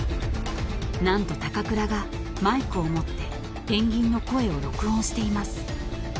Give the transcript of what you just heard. ［何と高倉がマイクを持ってペンギンの声を録音しています］